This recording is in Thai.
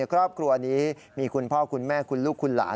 ครอบครัวนี้มีคุณพ่อคุณแม่คุณลูกคุณหลาน